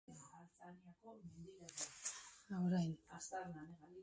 Bata ez dago bestearen bikotekidearen jeloskor?